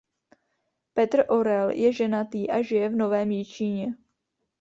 Petr Orel je ženatý a žije v Novém Jičíně.